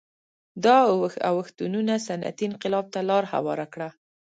دا اوښتونونه صنعتي انقلاب ته لار هواره کړه